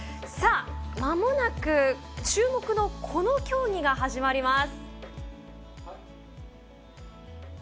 まもなく、注目のこの競技が始まります。